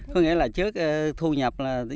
có nghĩa là trước thu nhập là